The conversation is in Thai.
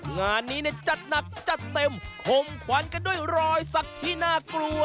งานนี้เนี่ยจัดหนักจัดเต็มคมขวัญกันด้วยรอยสักที่น่ากลัว